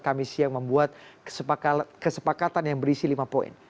kami siang membuat kesepakatan yang berisi lima poin